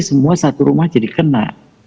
semua satu rumah jadi kena